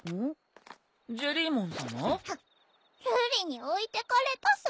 瑠璃に置いてかれたさ。